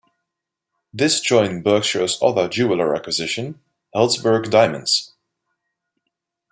This joined Berkshire's other jeweler acquisition, Helzberg Diamonds.